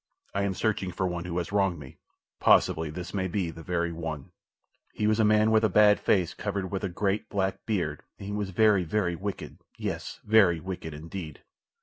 I am searching for one who has wronged me. Possibly this may be the very one." "He was a man with a bad face, covered with a great, black beard, and he was very, very wicked—yes, very wicked indeed."